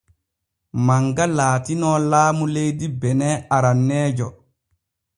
Manga laatino laamu leydi benin aranneejo.